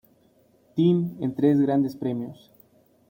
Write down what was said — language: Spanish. Team en tres grandes premios.